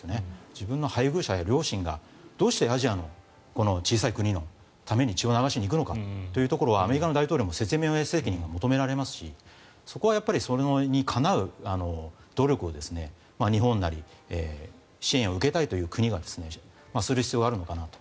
自分の配偶者や両親がどうしてアジアの小さい国のために血を流しに行くのかというところはアメリカの大統領も説明責任を求められますしそれは、そこにかなう努力を日本なり支援を受けたいという国がする必要があるのかなと。